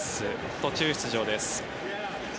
途中出場です。